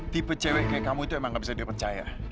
tipe cw kayak kamu itu emang gak bisa dipercaya